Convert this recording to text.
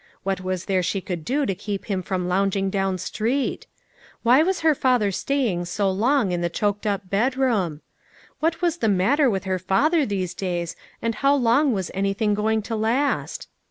What was there she could do to keep him from loung ing down street ? Why was her father staying so long in the choked up bedroom? What was the 362 LITTLE FISHEKS : AND THEIR NETS. matter with her father these days, and how long was anything going to last?